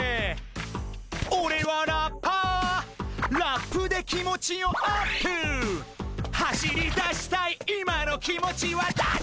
「オレはラッパー」「ラップで気持ちをアップ」「走り出したい今の気持ちはダッシュ」